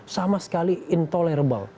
sama sekali intolerable